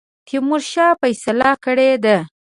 تیمورشاه فیصله کړې ده.